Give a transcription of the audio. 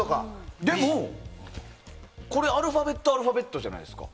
でもこれ、アルファベットアルファベットじゃないですか。